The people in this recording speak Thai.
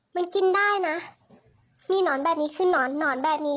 มันกินได้นะมีหนอนแบบนี้คือนอนหนอนแบบนี้